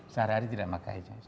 sehari hari tidak pakai